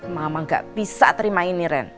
mama gak bisa terima ini ren